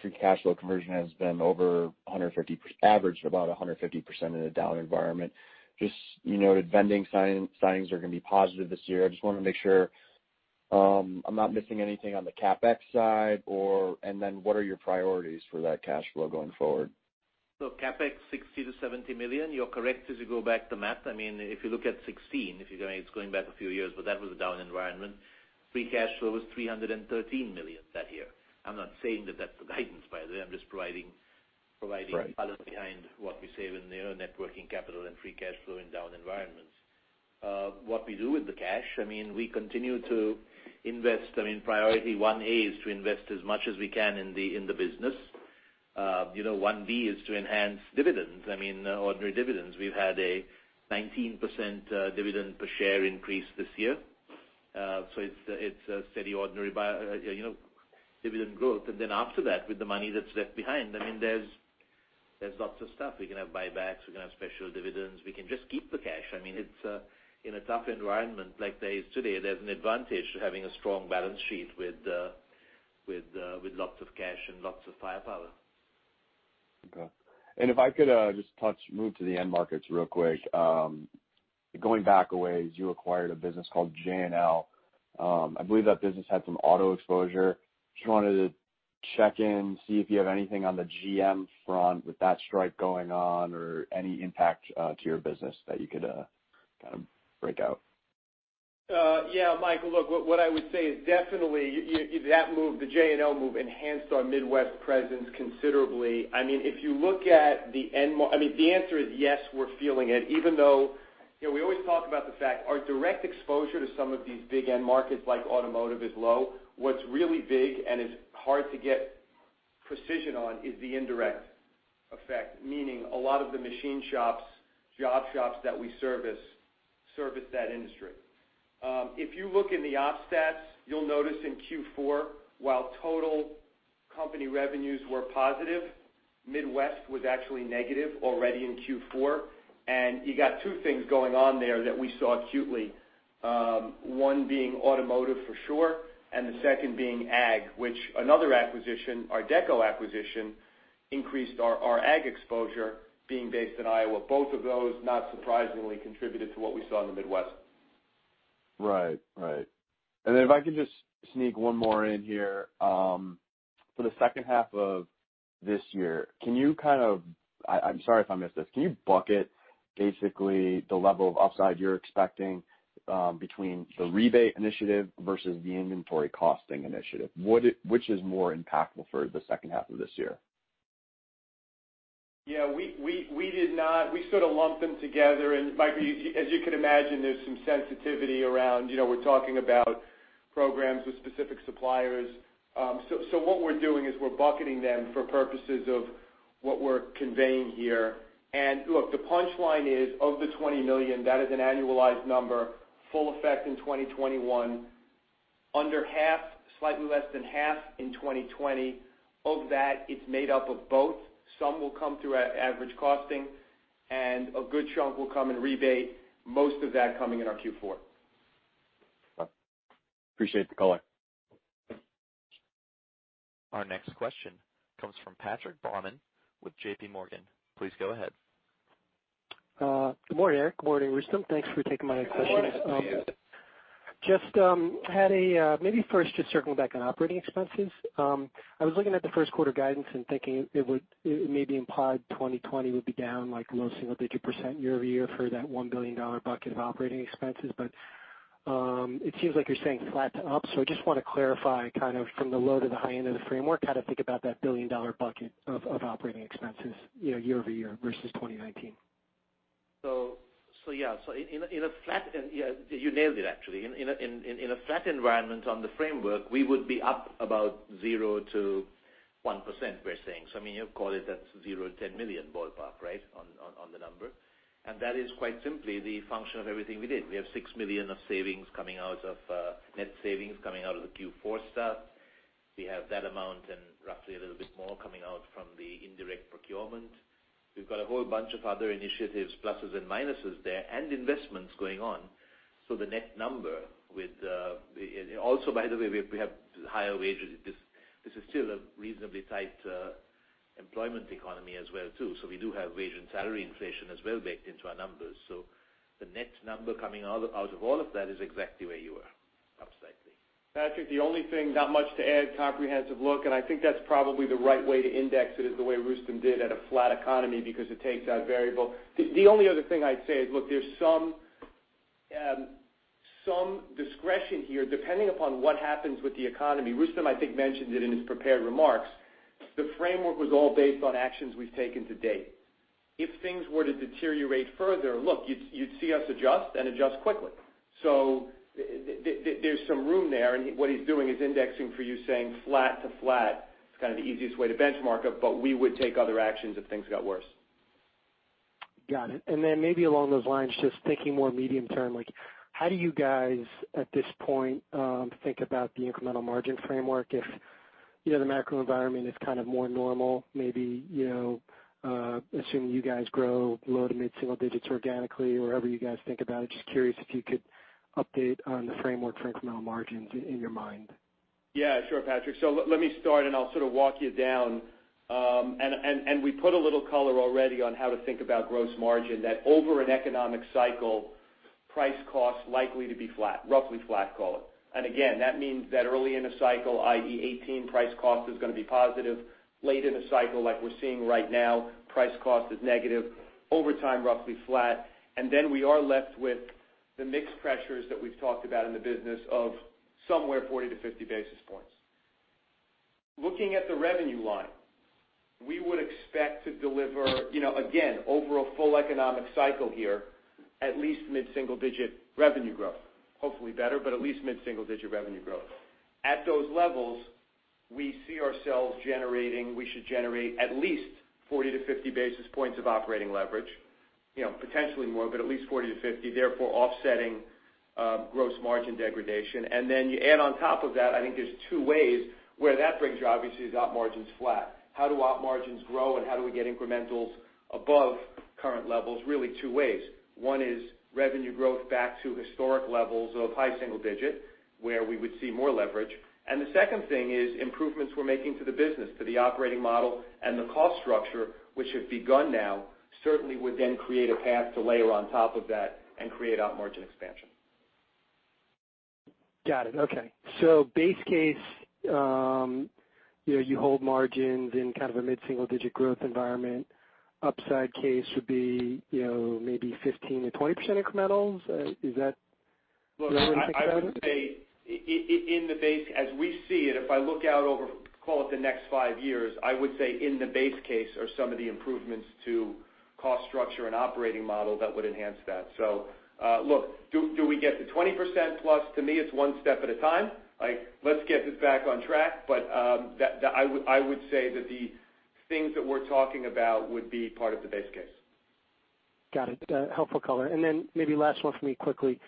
free cash flow conversion has been over 150%, averaged about 150% in a down environment. You noted vending signings are going to be positive this year. I just want to make sure I'm not missing anything on the CapEx side, what are your priorities for that cash flow going forward? CapEx $60 million-$70 million. You're correct, as you go back the math. If you look at 2016, it's going back a few years, but that was a down environment. Free cash flow was $313 million that year. I'm not saying that that's the guidance, by the way. Right color behind what we say in the net working capital and free cash flow in down environments. What we do with the cash, we continue to invest. Priority 1A is to invest as much as we can in the business. 1B is to enhance dividends, ordinary dividends. We've had a 19% dividend per share increase this year. It's a steady ordinary dividend growth. After that, with the money that's left behind, there's lots of stuff. We can have buybacks, we can have special dividends. We can just keep the cash. In a tough environment like there is today, there's an advantage to having a strong balance sheet with lots of cash and lots of firepower. Okay. If I could just move to the end markets real quick. Going back a ways, you acquired a business called J&L. I believe that business had some auto exposure. Just wanted to check in, see if you have anything on the GM front with that strike going on, or any impact to your business that you could kind of break out. Michael, look, what I would say is definitely, that move, the J&L move, enhanced our Midwest presence considerably. The answer is yes, we're feeling it, even though we always talk about the fact our direct exposure to some of these big end markets like automotive is low. What's really big and is hard to get precision on is the indirect effect, meaning a lot of the machine shops, job shops that we service that industry. If you look in the OpStat, you'll notice in Q4, while total company revenues were positive, Midwest was actually negative already in Q4. You got two things going on there that we saw acutely. One being automotive, for sure, and the second being ag, which another acquisition, our DECO acquisition, increased our ag exposure being based in Iowa. Both of those, not surprisingly, contributed to what we saw in the Midwest. Right. If I could just sneak one more in here. For the second half of this year, I'm sorry if I missed this, can you bucket basically the level of upside you're expecting between the rebate initiative versus the inventory costing initiative? Which is more impactful for the second half of this year? Yeah, we sort of lumped them together. Michael, as you can imagine, there's some sensitivity around, we're talking about programs with specific suppliers. What we're doing is we're bucketing them for purposes of what we're conveying here. Look, the punchline is, of the $20 million, that is an annualized number, full effect in 2021, under half, slightly less than half in 2020. Of that, it's made up of both. Some will come through our average costing, and a good chunk will come in rebate, most of that coming in our Q4. Appreciate the color. Our next question comes from Patrick Baumann with JPMorgan. Please go ahead. Good morning, Erik. Good morning, Rustom. Thanks for taking my questions. Good morning. Good to see you. Maybe first just circling back on operating expenses. I was looking at the first quarter guidance and thinking it may be implied 2020 would be down like low single-digit percent year-over-year for that $1 billion bucket of operating expenses. It seems like you're saying flat to up. I just want to clarify kind of from the low to the high end of the framework, how to think about that billion-dollar bucket of operating expenses year-over-year versus 2019. Yeah. You nailed it, actually. In a flat environment on the framework, we would be up about 0%-1%, we're saying. You call it at $0-$10 million ballpark, right, on the number. That is quite simply the function of everything we did. We have $6 million of net savings coming out of the Q4 stuff. We have that amount and roughly a little bit more coming out from the indirect procurement. We've got a whole bunch of other initiatives, pluses and minuses there, and investments going on. Also, by the way, we have higher wages. This is still a reasonably tight employment economy as well, too, so we do have wage and salary inflation as well baked into our numbers. The net number coming out of all of that is exactly where you are, up slightly. Patrick, the only thing, not much to add, comprehensive look. I think that's probably the right way to index it is the way Rustom did at a flat economy because it takes out variable. The only other thing I'd say is, look, there's some discretion here, depending upon what happens with the economy. Rustom, I think, mentioned it in his prepared remarks. The framework was all based on actions we've taken to date. If things were to deteriorate further, look, you'd see us adjust and adjust quickly. There's some room there, and what he's doing is indexing for you saying flat to flat. It's kind of the easiest way to benchmark it, but we would take other actions if things got worse. Got it. Maybe along those lines, just thinking more medium-term, how do you guys, at this point, think about the incremental margin framework if the macro environment is kind of more normal. Maybe, assuming you guys grow low to mid-single digits organically or however you guys think about it. Just curious if you could update on the framework for incremental margins in your mind. Yeah, sure, Patrick. Let me start and I'll sort of walk you down. We put a little color already on how to think about gross margin, that over an economic cycle, price cost likely to be flat, roughly flat, call it. Again, that means that early in a cycle, i.e., 2018, price cost is going to be positive. Late in a cycle, like we're seeing right now, price cost is negative, over time, roughly flat. We are left with the mix pressures that we've talked about in the business of somewhere 40-50 basis points. Looking at the revenue line, we would expect to deliver, again, over a full economic cycle here, at least mid-single-digit revenue growth. Hopefully better, at least mid-single-digit revenue growth. At those levels, we should generate at least 40-50 basis points of operating leverage. Potentially more, but at least 40-50, therefore offsetting gross margin degradation. You add on top of that, I think there's two ways where that brings you, obviously, is Op margins flat. How do Op margins grow and how do we get incrementals above current levels? Really two ways. One is revenue growth back to historic levels of high single digit, where we would see more leverage. The second thing is improvements we're making to the business, to the operating model and the cost structure which have begun now, certainly would then create a path to layer on top of that and create Op margin expansion. Got it. Okay. Base case, you hold margins in kind of a mid-single digit growth environment. Upside case would be maybe 15%-20% incrementals. Is that where you think that is? Look, I would say, as we see it, if I look out over, call it the next five years, I would say in the base case are some of the improvements to cost structure and operating model that would enhance that. Look, do we get to 20%+? To me, it's one step at a time. Let's get this back on track. I would say that the things that we're talking about would be part of the base case. Got it. Helpful color. Maybe last one for me quickly.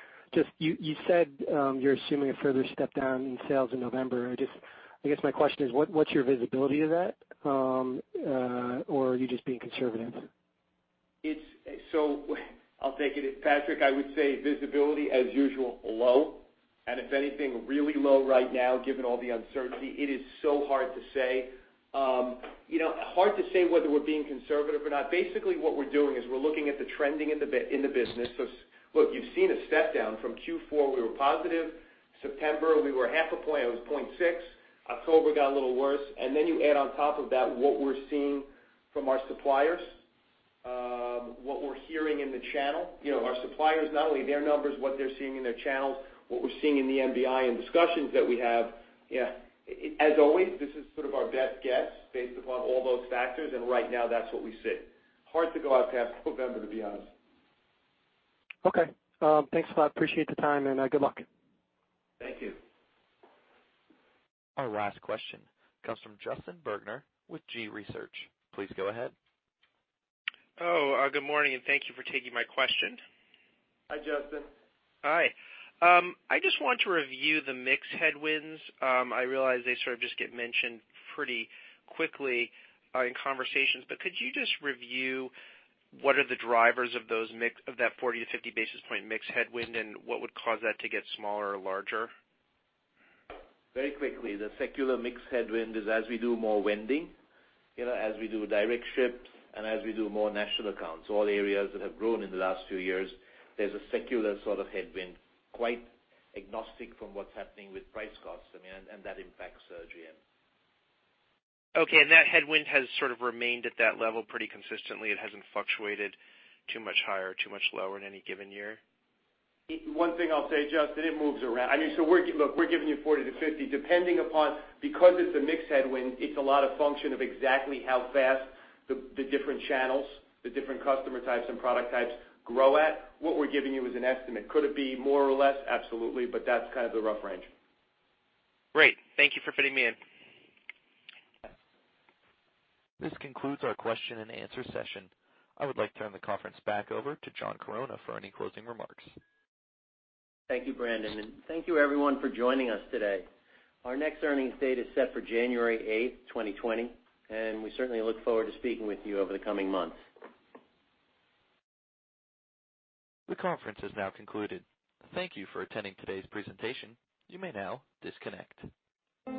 You said you're assuming a further step down in sales in November. I guess my question is, what's your visibility to that? Or are you just being conservative? I'll take it. Patrick, I would say visibility, as usual, low. If anything, really low right now, given all the uncertainty. It is so hard to say whether we're being conservative or not. Basically what we're doing is we're looking at the trending in the business. Look, you've seen a step down from Q4, we were positive. September, we were half a point, it was 0.6. October got a little worse. You add on top of that what we're seeing from our suppliers, what we're hearing in the channel. Our suppliers, not only their numbers, what they're seeing in their channels, what we're seeing in the MBI and discussions that we have. As always, this is sort of our best guess based upon all those factors, and right now that's what we see. Hard to go out past November, to be honest. Okay. Thanks a lot. Appreciate the time and good luck. Thank you. Our last question comes from Justin Bergner with G.research. Please go ahead. Oh, good morning and thank you for taking my question. Hi, Justin. Hi. I just want to review the mix headwinds. I realize they sort of just get mentioned pretty quickly in conversations, but could you just review what are the drivers of that 40-50 basis points mix headwind, and what would cause that to get smaller or larger? Very quickly, the secular mix headwind is as we do more vending, as we do direct ships and as we do more national accounts, all areas that have grown in the last few years, there's a secular sort of headwind, quite agnostic from what's happening with price costs, and that impacts GM. Okay, that headwind has sort of remained at that level pretty consistently. It hasn't fluctuated too much higher or too much lower in any given year? One thing I'll say, Justin, it moves around. Look, we're giving you 40 to 50, depending upon, because it's a mix headwind, it's a lot of function of exactly how fast the different channels, the different customer types and product types grow at. What we're giving you is an estimate. Could it be more or less? Absolutely, that's kind of the rough range. Great. Thank you for fitting me in. This concludes our question and answer session. I would like to turn the conference back over to John Corona for any closing remarks. Thank you, Brandon. Thank you everyone for joining us today. Our next earnings date is set for January 8th, 2020, and we certainly look forward to speaking with you over the coming months. The conference is now concluded. Thank you for attending today's presentation. You may now disconnect.